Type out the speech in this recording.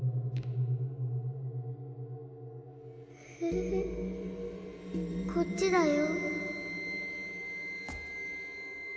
・フフこっちだよ。